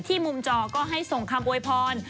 มุมจอก็ให้ส่งคำโวยพร